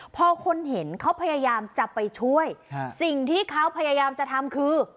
พอคนเห็นเขาพยายามจะไปช่วยสิ่งที่เขาพยายามจะทำคือ